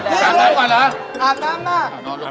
แม่หน้าของพ่อหน้าของพ่อหน้า